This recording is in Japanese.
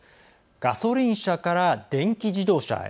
ガソリン車から電気自動車へ。